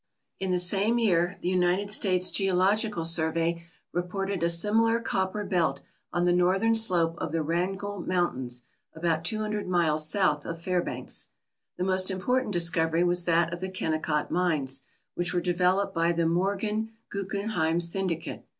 In the same year the United States Geological Survey re ported a similar copper belt on the northern slope of the Wrangell Mountains, about two hundred miles south of Fairbanks. The most important discovery was that of the Ken necott mines, which were developed by t;he Morgan Guggenheim syndicate.